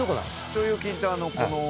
腸腰筋ってこの。